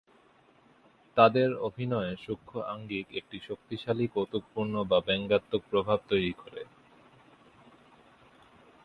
তাদের অভিনয়ের সূক্ষ্ম আঙ্গিক একটি শক্তিশালী কৌতুকপূর্ণ বা ব্যঙ্গাত্মক প্রভাব তৈরি করে।